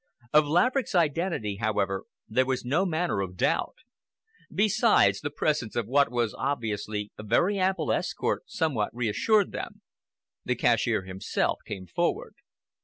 Of Laverick's identity, however, there was no manner of doubt. Besides, the presence of what was obviously a very ample escort somewhat reassured them. The cashier himself came forward.